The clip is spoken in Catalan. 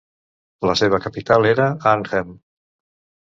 La seva capital era Arnhem.